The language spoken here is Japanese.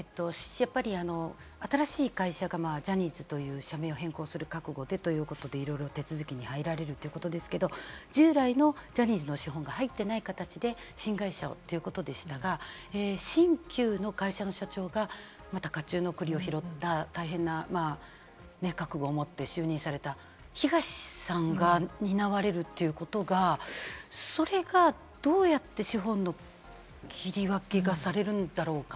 次に新しい会社がジャニーズという社名を変更する覚悟でということで、いろいろ手続きに入られるということですけれども、従来のジャニーズの資本が入っていない形で新会社ということでしたが、新旧の会社の社長がまた火中の栗を拾った大変な覚悟を持って就任された東さんが担われるということが、それがどうやって資本の切り分けがされるんだろうか？